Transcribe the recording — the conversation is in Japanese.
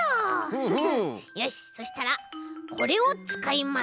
よしそしたらこれをつかいます！